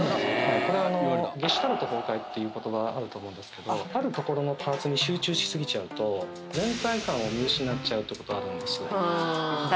これゲシュタルト崩壊っていう言葉あると思うんですけどあるところのパーツに集中しすぎちゃうと全体感を見失っちゃうってことあるんですよ